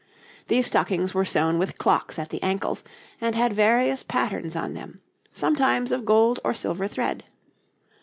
These stockings were sewn with clocks at the ankles, and had various patterns on them, sometimes of gold or silver thread.